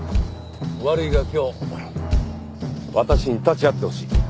悪いが今日私に立ち会ってほしい。